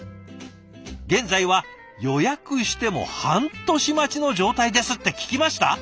現在は予約しても半年待ちの状態です」って聞きました？